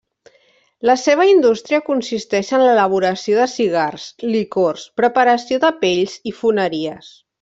La seva indústria consisteix en l'elaboració de cigars, licors, preparació de pells i foneries.